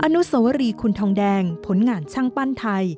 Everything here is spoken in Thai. อนุสวรีคุณทองแดงผลงานช่างปั้นไทย